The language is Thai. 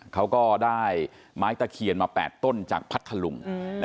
เขาก็ได้ไม้ตะเคียนมา๘ต้นจากพัทธลุง